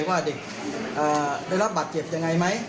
ว่าเด็กได้รับบาดเจ็บยังไงไหม